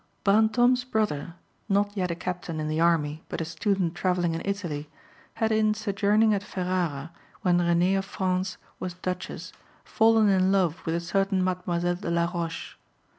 Brantôme's brother, not yet a captain in the army, but a student travelling in Italy, had in sojourning at Ferrara, when Renée of France was Duchess, fallen in love with a certain Mademoiselle de la Roche.